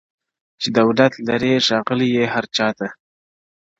چي دولت لرې ښاغلی یې هرچا ته-